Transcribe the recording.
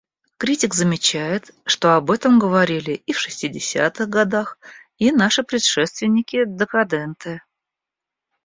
Критик замечает, что об этом говорили и в шестидесятых годах и наши предшественники, декаденты.